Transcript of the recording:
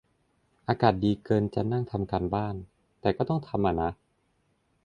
อากาศดีเกินจะนั่งทำการบ้าน แต่ก็ต้องทำอ่ะนะ